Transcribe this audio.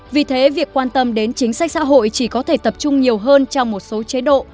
vì thế việc quan tâm đến chính sách xã hội chỉ có thể tập trung nhiều hơn trong một số chế độ